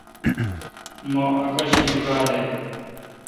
مہ اکاشم کالہ۔